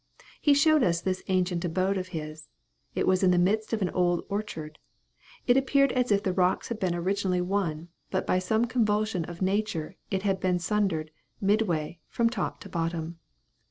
He showed us this ancient abode of his; it was in the midst of an old orchard. It appeared as if the rocks had been originally one; but by some convulsion of nature it had been sundered, midway, from top to bottom.